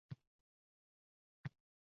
Biz amalga oshira oladigan ko‘p ishlar bor